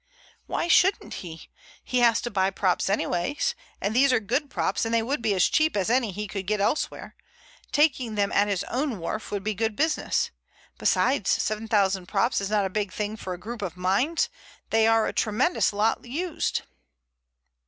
"Why shouldn't he? He has to buy props anyway, and these are good props and they would be as cheap as any he could get elsewhere. Taking them at his own wharf would be good business. Besides, 7,000 props is not a big thing for a group of mines. There are a tremendous lot used."